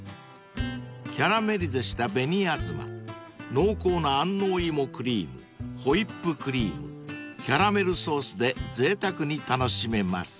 ［キャラメリゼした紅あずま濃厚な安納いもクリームホイップクリームキャラメルソースでぜいたくに楽しめます］